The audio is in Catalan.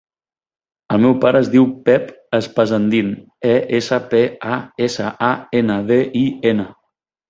El meu pare es diu Pep Espasandin: e, essa, pe, a, essa, a, ena, de, i, ena.